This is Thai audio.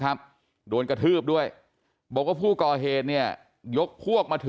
ครับผมแถวนี้ครับ